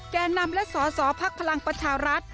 แก่นำและสอสอภักดิ์พลังประชารัฐ